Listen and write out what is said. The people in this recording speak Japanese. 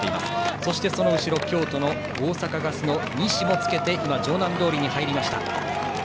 そして、その後ろ京都の大阪ガスの西もつけて城南通りに入った。